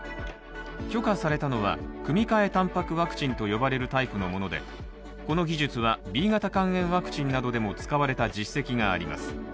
許可されたのは、組換えタンパクワクチンと呼ばれるタイプのものでこの技術はＢ型肝炎ワクチンなどでも使われた実績があります。